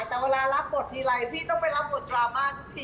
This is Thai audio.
แต่เวลารับบททีไรพี่ต้องไปรับบทดราม่าทุกที